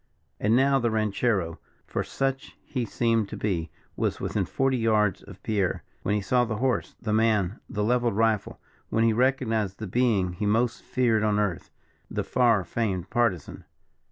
And now the ranchero for such he seemed to be was within forty yards of Pierre, when he saw the horse, the man, the levelled rifle when he recognized the being he most feared on earth the far famed Partisan.